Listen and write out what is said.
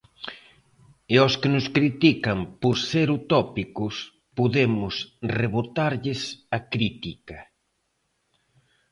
E aos que nos critican por ser utópicos podemos rebotarlles a crítica.